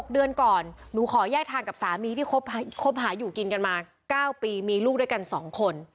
เดือนก่อนหนูขอแยกทางกับสามีที่คบหาอยู่กินกันมา๙ปีมีลูกด้วยกัน๒คน